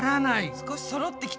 少しそろってきた。